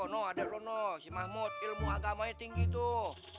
nuh adek lo si mahmud ilmu agamanya tinggi tuh